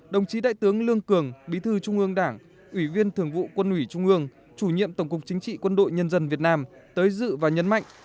đồng chí đại tướng lương cường bí thư trung ương đảng ủy viên thường vụ quân ủy trung ương chủ nhiệm tổng cục chính trị quân đội nhân dân việt nam tới dự và nhấn mạnh